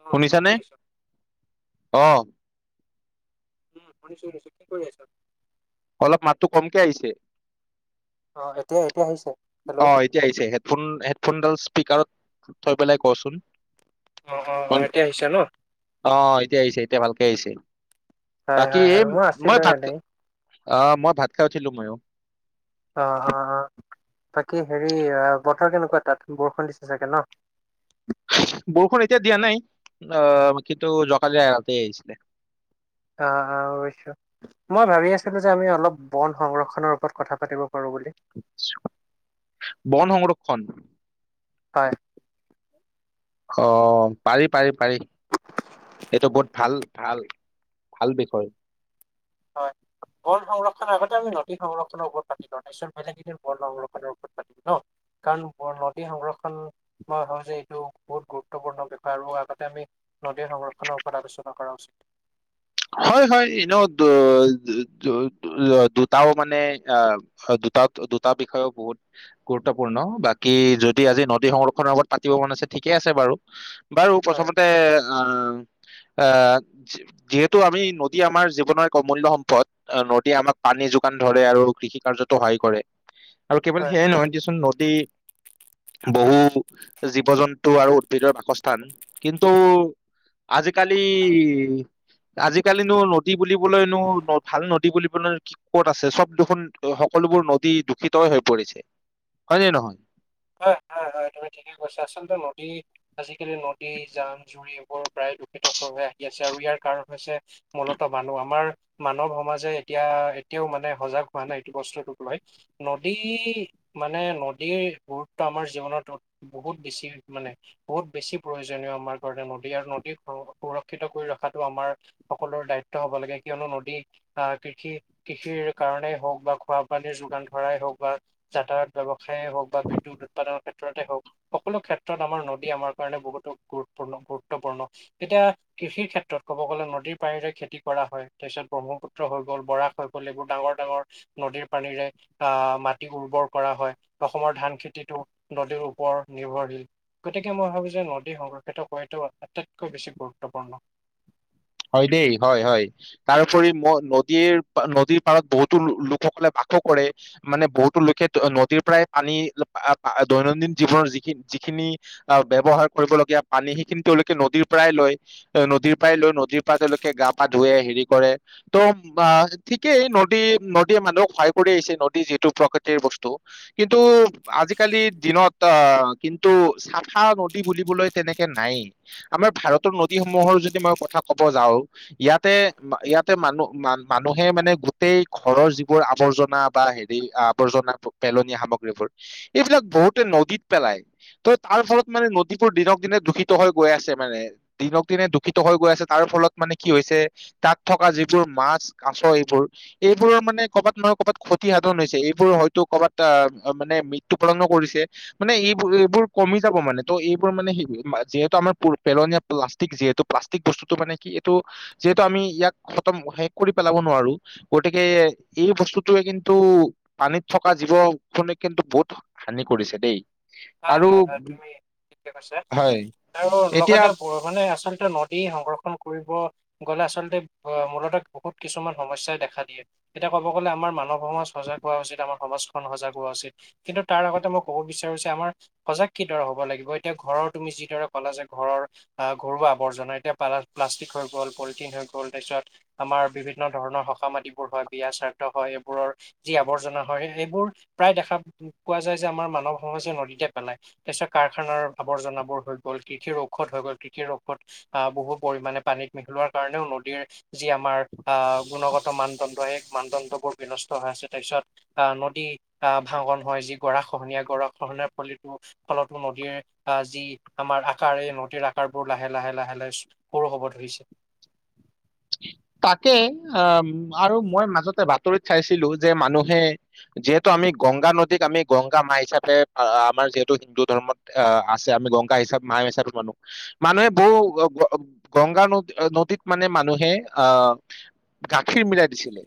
অ কি শুনিছানে কৰি আছ? আহ উম শুনিছো শুনিছো কি কৰি আছ অলপ মাতটো কমকে আহিছে অ এতিয় অ এতিয়া আহিছে হেডফোন হেডফোনডাল স্পীকাৰত থৈ পেলাই কচোন অ অ অ এতিয়া আহিছে ন? অ এতিয়া আহিছে এতিয়া ভাল সছেয় হয় তাকি হয় হয় মই আছিলো ভাতক এনেই অ মই ভাত খাই উঠিলো ময়ো অ অ অ বাকী হেৰি বতৰ কেনেকুৱা তাত বৰষুণ দিছে চাগে ন বৰষুণ এতিয়া দিয়া নাই আহ কিন্তু জকালি এৰাতে আহিছিলে অ অ অৱশ্যয় মই ভাবি আছিলো যে আমি অলপ বন সংৰক্ষনৰৰ ওপৰত কথা পাতিব পাৰো বুলি বন সংৰক্ষণ হয় অ পাৰি পাৰি পাৰি এইটো বহুত ভাল ভাল ভাল বিষয় হয় বল সংৰক্ষণ আগতে আমি নদী সংৰক্ষনৰৰ ওপৰত পাতি ল নিত বেলেগ সেইদিন বল সংৰক্ষনৰৰ ওপৰত পাতিল ন কাৰণ নদী সংৰক্ষণ মই ভ যে এইটো বহুত গুৰুত্বপূৰ্ণ বিষয় আৰু আগতে আমি নদীৰ সংৰক্ষনৰৰ ওপৰত আলোচনা কৰা উচিত হয় হয় এনেও দুটাও মানে আহ দুটা দুটা বিষয়েও বহুত গুৰুত্বপূৰ্ণ বাকী যদি আজি নদী সংৰক্ষনৰৰ আত পাতিব মন আছে ঠিকেই আছে বাৰু বাৰু অ প্ৰথমতে অ' অ', যিহেতু টো আমি নদী আমাৰ জীৱনৰ এক অমূল্য সম্পদ নদীয়ে আমাক পানী যোগান ধৰে আৰু কৃষি কাৰ্যতো সহায় কৰে। আৰু কেৱল হয় সেয়ে নহয় দিচোন নদী বহু জীৱ-জন্তু আৰু উদ্ভিদৰ বাসস্থান, কিন্তু আজিকালি আজিকালিনো নদী বুলিবলৈনো ভাল নদী বুলিবলৈ কি ক'ত আছে চব দুখোন সকলোবোৰ নদী দূষিতই হৈ পৰিছে হয় নে নহয়। হয়, হয়, হয় তুমি ঠিকেই কৈছা আচলতে নদী আজিকালি নদী জান-জুৰি এইবোৰ প্ৰায় দূষিত হৈ আহি আছে আৰু ইয়াৰ কাৰণ হৈছে মূলত মানুহ আমাৰ মানৱ সমাজে এতিয়া এতিয়াও মানে সজাগ হোৱা নাই এইটো বস্তুটোক লৈ নদী মানে নদীৰ ত' আমাৰ জীৱনত বহুত বেছি মানে বহুত বেছি প্ৰয়োজনীয় আমাৰ কাৰণে নদী আৰু নদী সুৰক্ষিত কৰি ৰখাতটো আমাৰ সকলোৰে দায়িত্ব হ'ব লাগে কিয়নো নদী অ', কৃষি কৃষিৰ কাৰণেই হওঁক বা খোৱা পানীৰ যোগান ধৰাই হওঁক বা যাতায়ত ব্যৱসায় হওঁক বা বিদ্যুৎ উৎপাদনৰ ক্ষেত্ৰতে হওঁক সকলো ক্ষেত্ৰত আমাৰ নদী আমাৰ কাৰণে বহুতো গুৰুতপূৰ্ণ, গুৰুত্বপূৰ্ণ তেতিয়া কৃষিৰ ক্ষেত্ৰত ক'ব গ'লে নদীৰ পানীৰে খেতি কৰা হয় তাৰপিছত ব্ৰহ্মপুত্ৰ হৈ গ'ল বৰাৰাক হৈ গ'ল এইবোৰ ডাঙৰ ডাঙৰ নদীৰ পানীৰে অ', মাটি উৰ্বৰ কৰা হয় অসমৰ ধান খেতি নদীৰ ওপৰত নিৰ্ভৰশীল গতিকে মই ভাবো যে নদী সংৰক্ষিত কৰাটো আটাইতকৈ বেছি গুৰুত্বপূৰ্ণ। হয় দেই হয়, হয় তাৰপৰি নদীৰ নদীৰ পাৰত বহুতো লোকসকলে বাস কৰে মানে বহুতো লোকে নদীৰ পৰাই পানী দৈনন্দিন জীৱনৰ যিখিন যিখিনি অ', ব্যৱহাৰ কৰিবলগীয়া পানী সেইখিনি তেওঁলোকে নদীৰ পৰাই লয় নদীৰ পৰাই লৈ নদীৰ পা তেওঁলোকে গা পা ধুৱে হেৰি কৰে ত' ঠিকেই নদী নদীয়ে মানুহক সহায় কৰি আহিছে নদী যিহেতু প্ৰকৃতিৰ বস্তু কিন্তু আজিকালিৰ দিনত অ', কিন্তু চাফা নদী বুলিবলৈ তেনেকে নায়েই আমাৰ ভাৰতৰ নদীসমূহৰ যদি মই কথা ক ক'ব যাওঁ ইয়াতে ইয়াতে মানুহ মানুহে মানে গোটেই ঘৰৰ যিবোৰ আৱৰ্জনা বা হেৰি আৱৰ্জনা পেলনীয়া সামগ্ৰীবোৰ এইবিলাক বহুতে নদীত পেলাই ত তাৰ ফলত মানে নদীবোৰ দিনক দিনে দূষিত হৈ গৈ আছে মানে দিনক দিনে দূষিত হৈ গৈ আছে। তাৰ ফলত মানে কি হৈছে তাত থকা যিবোৰ মাছ কাছ এইবোৰ এইবোৰৰ মানে ক'ৰবাত নহয় ক'ৰবাত ক্ষতি সাধন হৈছে এইবোৰ হয়তো ক'বাত মানে মৃত্যু পৰণো কৰিছে মানে এইবোৰ এইবোৰ কমি যাব মানে ত' এইবোৰ মানে যিহেতু আমাৰ পেলনীয়া প্লাষ্টিক যিহেতু প্লাষ্টিক বস্তু টো মানে কি এইটো যিহেতু আমি ইয়াক খতম শেষ কৰি পেলাব নোৱাৰো গতিকে এই বস্তুটোৱে কিন্তু পানীত থকা জীৱ খনে কিন্তু বহুত হানি কৰিছে দেই। হয়, আৰু হয়, হয় তুমি ঠিকে কৈছে হয় আৰু এতিয়া লগতে মানে আচল নদী সংৰক্ষণ কৰিব গলে আচল্ততে মূলতঃ বহুত কিছুমান সমস্যাই দেখা দিয়ে এতিয়া ক'ব গ'লে আমাৰ মানৱ [unintelligible] উচিত আমাক সমাজখন সজাগ হোৱা উচিত কিন্তু তাৰ আগতে মই ক'ব বিচাৰো যে আমাৰ সজাগ কিদৰে হ'ব লাগিব এতিয়া ঘৰৰ তুমি যিদৰে ক'লা যে ঘৰৰ আহ ঘৰুৱা আৱৰ্জনা এতিয়া পা প্লাষ্টিক হৈ গ'ল পলিথিন হৈ গ'ল তাৰপিছত আমাৰ বিভিন্ন ধৰণৰ সকামাটিবোৰ হয় বিয়া স্বাৰ্থ হয় এইবোৰৰ যি আৱৰ্জনা হয় এইবোৰ প্ৰায় দেখা পোৱা যায় যে আমাৰ মানৱ সমাজে নদীতে পেলাই তাৰ পিছত কাৰখানাৰ আৱৰ্জনাবোৰ হৈ গ'ল কৃষিৰ ঔষধ হৈ গ'ল কৃষিৰ ঔষধ অ', বহু পৰিমামানে পানীত মিহলোৱাৰ কাৰণেও নদীৰ যি আমাৰ আহ গুণগত মানদণ্ড সেই মানদণ্ড বোৰ বিনষ্ট হৈ আছে তাৰ পিছত আহ নদী অ', ভাঙন হয় যি গৰা খহনীয়া গৰা খহনাৰ পল ফলতো নদীৰ অ', যি আমাৰ আকাৰ এই নদীৰ আকাৰবোৰ লাহে, লাহে, লাহে লাহে সৰু হ'ব ধৰিছে। তাকে অ', আৰু মই মাজতে বাতৰিত চাইছিলো যে মানুহে যিহেতু আমি গংগা নদীত আমি গংগা মা হিচাপে আমাৰ যিহেতু হিন্দু ধৰ্মত অ', আছে আমি গংগা হিচাপ মা হিচাপে মানু-মানুহে বহ গংগা ন নদীত মানে মানুহে হে গাখীৰ মিলাই দিছিলে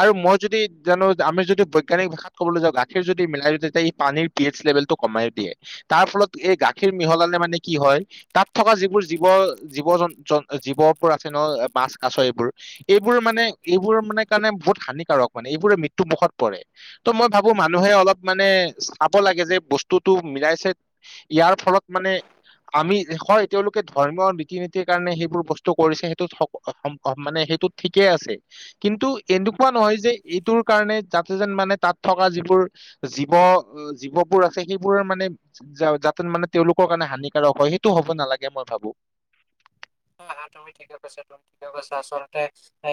আৰু মই যদি জানো আমি যদি বৈজ্ঞানিক ভাষাত ক'বলৈ যাওঁ গাখীৰ যদি মিলাই দি তেতিয়া এই পানীৰ পি এইচ লেভেলটো কমাই দিয়ে তাৰ ফলত এই গাখীৰ মিহলালে মানে কি হয় তাত থকা যিবোৰ জীৱ, জীৱ, জ জীৱবোৰ আছে ন' মাছ কাছ এইবোৰ এইবোৰ মানে এইবোৰ মানে কাৰণে বহুত হানিকাৰক মানে এইবোৰে মৃত্যু মুখত পৰে ত' মই ভাবো মানুহে অলপ মানে চাব লাগে যে বস্তুতটো মিলাইছে ইয়াৰ ফলত মানে আমি হয় তেওঁলোকে ধৰ্মীয় ৰীতি-নীতিৰ কাৰণে সেইবোৰ বস্তু কৰিছে সেইটো মানে সেইটো ঠিকেই আছে কিন্তু এনেকুৱা নহয় যে এইটোৰ কাৰণে যাতে যেন মানে তাত থকা যিবোৰ জীৱ, জীৱবোৰ আছে সেইবোৰৰ মানে যাতে মানে তেওঁলোকৰ কাৰণে হানিকাৰক হয় সেইটো হ'ব নালাগে মই ভাবো। হা তুমি ঠিকে কৈছা তুমি ঠিকে কৈছা আচলতে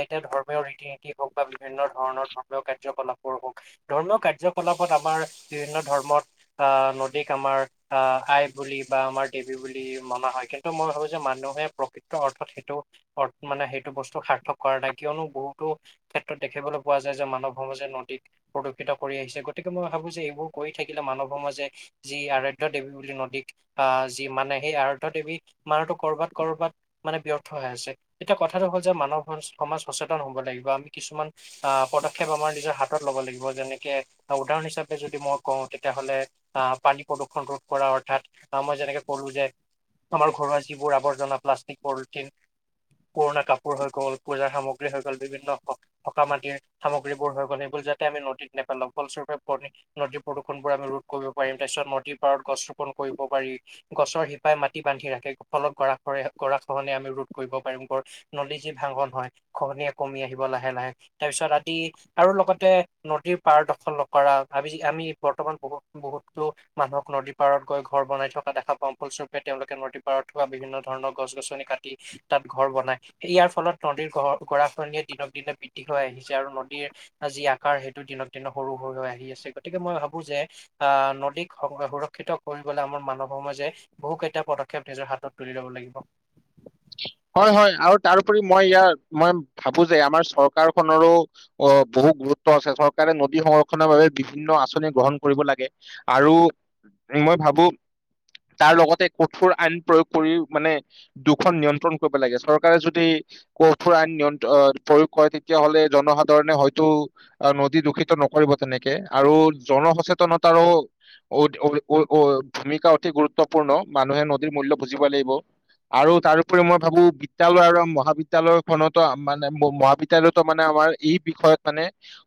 এতিয়া ধৰ্মীয় ৰীতি-নীতি হওঁক বা বিভিন্ন ধৰণৰ ধৰ্মীয় কাৰ্যকলাপৰ হওক ধৰ্মীয় কাৰ্যকলাপত আমাৰ বিভিন্ন ধৰ্মত অ', নদীক আমাৰ আহ আই বুলি বা আমাৰ দেৱী বুলি মনা হয় কিন্তু মই ভাবো যে মানুহে অৰ্থত সেইটো অ', মানে সেইটো বস্তু সাৰ্থক কৰা নাই কিয়নো বহুতো ক্ষেত্ৰত দেখিবলৈ পোৱা যায় যে মানৱ সমাজে নদীক প্ৰদূষিত কৰি আহিছে গতিকে মই ভাবো যে এইবোৰ কৰি থাকিলে মানৱ সমাজে যি আৰাধ্য দেৱী বুলি নদীক অ', যি মানে সেই আৰাধ্য দেৱী মানুহো কৰবাত, কৰবাত মানে ব্যৰ্থ হৈ আছে এতিয়া কথাটো হ'ল যে মানৱ সমাজ সচেতন হ'ব লাগিব আমি কিছুমান আহ পদক্ষেপ আমাৰ নিজৰ হাতত ল'ব লাগিব যেনেকে উদাহৰণ হিচাপে যদি মই কওঁ তেতিয়াহলে অ', পানী প্ৰদূৰ্ষণ ৰোধ কৰা অৰ্থাৎ আহ মই যেনেকে ক'লো যে আমাৰ ঘৰুৱা যিবোৰ আৱৰ্জনা প্লাষ্ট পলিথিন পুৰণা কাপোৰ হৈ গ'ল পূজাৰ সামগ্ৰী হৈ গ'ল বিভিন্ন সকা মাটিৰ সামগ্ৰীবোৰ হৈ গ'ল সেইবোৰ যাতে আমি নদীত নেপেলোওঁ ফলস্বৰূপে নদীৰ প্ৰদূষণ বোৰ আমি ৰোধ কৰিব পাৰিম তাৰ পিছত নদীৰ পাৰত গছ ৰোপন কৰিব পাৰি গছৰ শিপাই মাটি বান্ধি ৰাখে ফলত গৰাখৰে কৰা খহন আমি ৰোধ কৰিব পাৰিম গ নদী যি ভাঙন হয় খহনিয় কমি আহিব লাহে, লাহে তাৰ পিছত আদি আৰু লগতে নদীৰ পাৰ দখলক কৰা আমি বৰ্তমান বহুত বহুতো মানুহক নদীৰ পাৰত গৈ ঘৰ বনাই থকা দেখা পাওঁ ফলস্বৰূপে তেওঁলোকে নদীৰ পাৰত থোৱা বিভিন্ন ধৰণৰ গছ-গছনি কাট টি তাত ঘৰ বনাই। ইয়াৰ ফলত নদীৰ গৰ গৰাখহনীয়া দিনক দিনে বৃদ্ধি হৈ আহিছে আৰু নদীৰ যি আকাৰ সেইটো দিনক দিনে সৰু হৈ হৈ আহি আছে গতিকে মই ভাবো যে অ', নদীক সুৰক্ষিত কৰিবলৈ আমাৰ মানৱ সমাজে বহুকেইটা পদক্ষেপ নিজৰ হাতত তুলি ল'ব লাগিব। হয়, হয় আৰু তাৰপৰি মই ইয়াৰ মই ভাবো যে আমাৰ চৰকাৰখনৰো অ', বহু গুৰুত্ব আছে চৰকাৰে নদী সংৰক্ষনৰৰ বাবে বিভিন্ন আঁচনি গ্ৰহণ কৰিব লাগে আৰু মই ভাবো তাৰ লগতে কঠোৰ আইন প্ৰয়োগ কৰি মানে দুখন নিয়ন্ত্ৰণ ল' চৰকাৰে য কঠোৰ আইন প্ৰয়োগ কৰে তেতিয়াাহলে জনসাধাৰণে হয়তো নদী দূষিত নকৰিব তেনেকে আৰু জন সচেতনতাৰো ভূমিকা অতি গুৰুত্বপূৰ্ণ মানুহে নদীৰ মূল্য বুজিব লাগিব আৰু তাৰোপৰি মই ভাবো বিদ্যালয় আৰু মহাবিদ্যালয় খনতো মানে মহাবিদ্যালয়তো মানে আমাৰ এই বিষয়ত মানে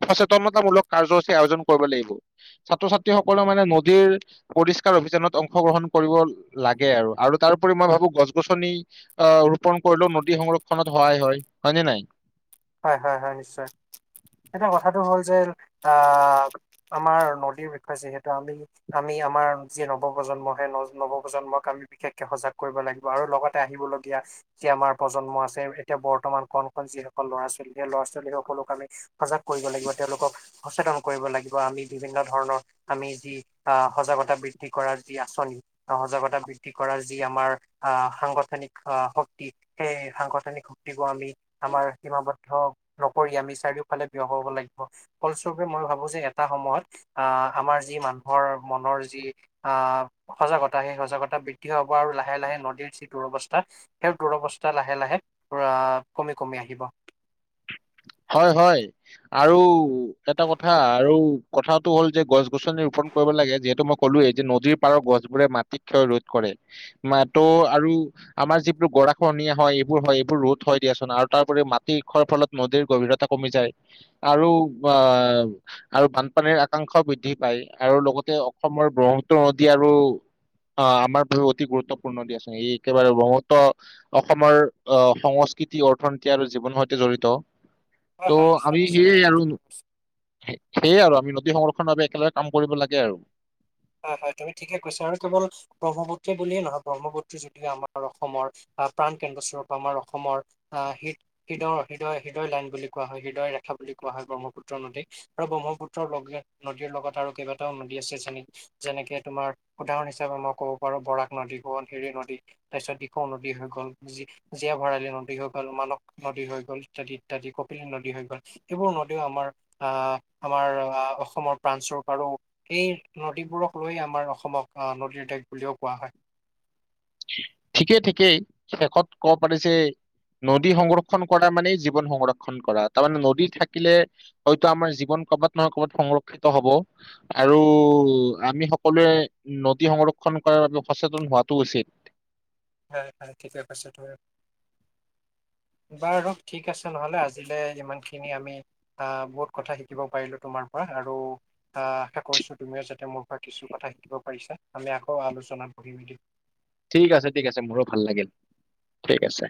সচেতনতাামূলক কাৰ্যসূচী আয়োজন কৰিব লাগিব ছাত্ৰ-ছাত্ৰীসকলে মানে নদীৰ পৰিষ্কাৰ অভিযানত অংশগ্ৰহণ কৰিব লাগে আৰু আৰু তাৰপৰি মই ভাবো গছ-গছনি অ', ৰোপন কৰিলেও নদী সংৰক্ষণত সহায় হয় হয় নে নাই? হয়, হয়, হয় নিশ্চয় এতিয়া কথাটো হ'ল যে অ', আমাৰ নদীৰ বিষয়ে যিহেতু আমি আমি আমাৰ যি নৱপ্ৰজন্ম সেই নৱপ্ৰজন্মক আমি বিশেষকে সজাগ কৰিব লাগিব আৰু লগতে আহিব লগীয়া যি আমাৰ প্ৰজন্ম আছে এতিয়া বৰ্তমান কন কন কন ল'ৰা ছোৱালী সেই ল'ৰা-ছোৱালীসকলক আমি সজাগ কৰিব লাগিব তেওঁলোকক সচেতন কৰিব লাগিব আমি বিভিন্ন ধৰণৰ আমি যি আহ, সজাগতা বৃদ্ধি কৰাৰ যি আঁচনি সজাগতা বৃদ্ধি কৰাৰ যি আমাৰ আহ, সাংগঠনিক আহ শক্তি সেই সাংগঠনিক শক্তিবোৰ আমি আমাৰ সীমাবদ্ধ নকৰি আমি চাৰিওফালে ব্যয় হ'ব লাগিব ফলস্বৰূপে মই ভাবোঁ যে এটা সময়ত আহ আমাৰ যি মানুহৰ মনৰ যি আহ সজাগতা সেই সজাগতা বৃদ্ধি হ'ব আৰু লাহে লাহে নদীৰ যি দুৰৱস্থা সেই দুৰৱস্থা লাহে, লাহে, আহ, কমি কমি আহিব। হয় হয় আৰু এটা কথা আৰু কথাটো হ'ল যে গছ-গছনি ৰোপন কৰিব লাগে যিহেতু মই ক'লোৱেই যে নদীৰ পাৰৰ গছবোৰে মাটিত ক্ষয় ৰোধ কৰে মতো আৰু আমাৰ যিবোৰ গৰাখহনীয়া হয় এইবোৰ হয় এইবোৰ ৰোধ হয় দিয়াচোন আৰু তাৰ উপৰি মাটি খ্যয়ৰ ফলত নদীৰ গভীৰতা কমি যায় আৰু আহ, আৰু বানপানীৰ আকাংক্ষাও বৃদ্ধি পায় আৰু লগতে অসমৰ ব্ৰহ্মপুত্ৰ নদী আৰু আহ, আমাৰ বহু অতি গুৰুত্বপূৰ্ণ নদী আছে এই একেবাৰে ব্ৰহ্মত্ৰ অসমৰ আহ, সংস্কৃতি অৰ্থনীতি আৰু জীৱনৰ সৈতে জড়িত। হয় হয় ত' নিশ্চয় আমি নিশ্চয় সেয়ে তুমি আৰু ঠিকে কৈছা সেয়ে আৰু আমি সংৰক্ষণ বাবে একেলগে কাম কৰিব লাগে আৰু হয় হয় তুমি ঠিকে কৈছা আৰু কেৱল ব্ৰহ্মপুত্ৰ বুলিয়ে নহয় ব্ৰহ্মপুত্ৰ্ৰী যদিও আমাৰ অসমৰ আহ প্ৰাণ কেন্দ্ৰস্বৰূপ আমাৰ অসমৰ আহ হৃ হৃদয় হৃদয় হৃদয় লাইন বুলি কোৱা হয় হৃদয় ৰেখা বুলি কোৱা হয় ব্ৰহ্মপুত্ৰৰ নদী আৰু ব্ৰহ্মপুত্ৰৰ লগে নদীৰ লগত আৰু কেইবাটাও নদী আছে যেনে যেনেকে তোমাৰ উদাহৰণ হিচাপে মই কব পাৰো বৰাক নদী সোৱণশিৰি নদী তাৰপিছত দিখৌ নদী হৈ গ'ল জীয়া ভৰালী নদী হৈ গ'ল মানস নদী হৈ গল ইত্যাদি ইত্যাদি কপিলি নদী হৈ গ'ল এইবোৰ নদীও আমাৰ আহ আমাৰ আহ অসমৰ প্ৰাণস্বৰূপ আৰু এই নদীবোৰক লৈ আমাৰ অসমক নদীৰ দেশ বুলিও কোৱা হয়। ঠিকেই ঠিকেই শেষত কব পাৰি যে নদী সংৰক্ষন কৰা মানে জীৱন সংৰক্ষন কৰা তাৰমানে নদী থাকিলে হয়তো আমাৰ জীৱন কৰবাত নহয় কবাত নহয় কবাত সংৰক্ষিত হব আৰু আমি সকলোৱে নদী সংৰক্ষন কৰাৰ বাবে সচেতন হোৱাতটো উচিত। ঠিকে কৈছেতো বাৰু ঠিক আছে নহলে আজিলৈ ইমান খিনি আমি আহ বহুত কথা শিকিব পাৰিলো তোমাৰ পৰা আৰু আহ আশা কৰিছো তুমিও যাতে মোৰ পৰা কিছু কথা শিকিব পাৰিছা আমি আকৌ আলোচনাত বহিম এদিন। ঠিক আছে। ঠিক আছে। মোৰো ভাল লাগিল ঠিক আছে।